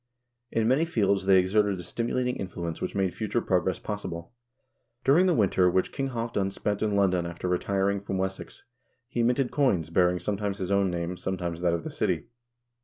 In many fields they exerted a stimulating influence which made future progress possible. During the winter which King Halvdan spent in London after retiring from Wessex, he minted coins bearing sometimes his own name, sometimes that of the city.